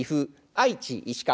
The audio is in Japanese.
愛知石川